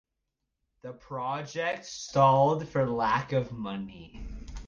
The project stalled for lack of money.